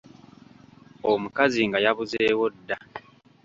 Omukazi nga yabuzeewo dda.